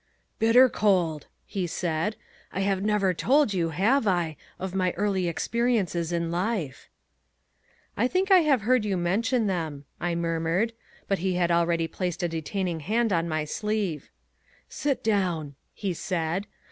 "Bitter cold," he said. "I have never told you, have I, of my early experiences in life?" "I think I have heard you mention them," I murmured, but he had already placed a detaining hand on my sleeve. "Sit down," he said.